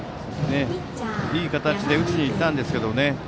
いい形で打ちにいったんですけどね。